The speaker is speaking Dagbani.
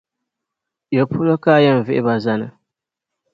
Yapolo ka a yɛn vihi ba zani?